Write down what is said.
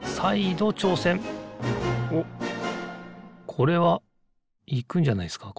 おっこれはいくんじゃないですか